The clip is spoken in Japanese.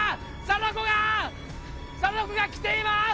サダコが来ています！